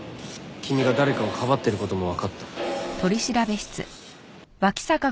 君が誰かをかばってる事もわかった。